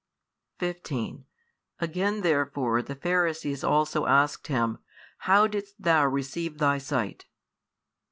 15 Again therefore the Pharisees also asked him, How didst thou receive thy sight?